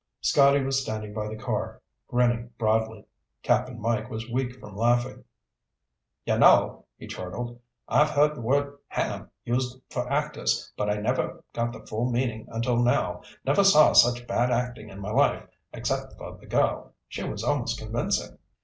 Scotty was standing by the car, grinning broadly. Cap'n Mike was weak from laughing. "Y'know," he chortled, "I've heard the word 'ham' used for actors, but I never got the full meaning until now. Never saw such bad acting in my life, except for the girl. She was almost convincing."